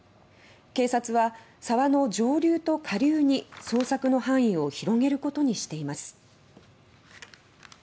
警察は沢の上流と下流に捜索の範囲を広げることにしています。